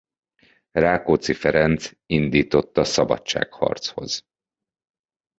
Rákóczi Ferenc indította szabadságharchoz.